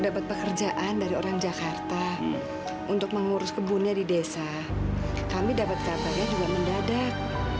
dapat pekerjaan dari orang jakarta untuk mengurus kebunnya di desa kami dapat kabarnya juga mendadak